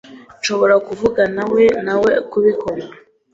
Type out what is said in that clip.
Nshobora kuvuganawe nawe kubikora.